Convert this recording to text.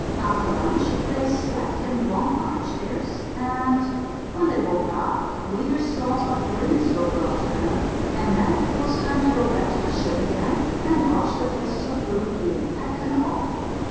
After lunch they slept in long armchairs, and when they woke up queer sorts of drinks were brought to them; and then it was time to go back to the ship again and watch the cases of fruit being packed in the hold.